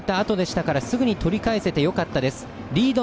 先制されたあとでしたからすぐに取り返せてよかったです。